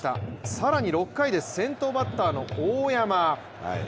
更に６回です、先頭バッターの大山。